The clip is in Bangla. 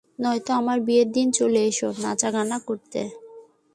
নয়তো আমার বিয়ের দিনে চলে এসো, নাচা গানা করতে।